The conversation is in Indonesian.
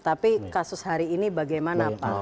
tapi kasus hari ini bagaimana pak